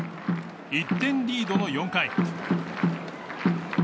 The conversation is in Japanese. １点リードの４回。